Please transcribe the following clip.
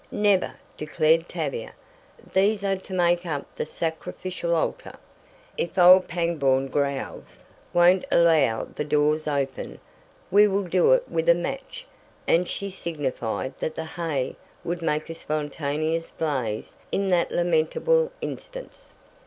"Never!" declared Tavia. "These are to make up the sacrificial altar. If old Pangborn growls won't allow the doors open we will do it with a match!" and she signified that the hay would make a spontaneous blaze in that lamentable instance.